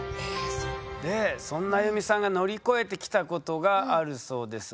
そんな安祐美さんが乗り越えてきたことがあるそうです。